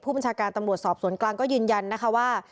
บัญชาการตำรวจสอบสวนกลางก็ยืนยันนะคะว่า